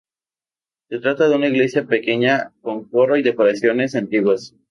Se trata de una iglesia pequeña con coro y decoraciones antiguas.